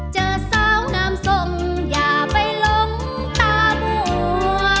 เจอสาวงามทรงอย่าไปลงตามัว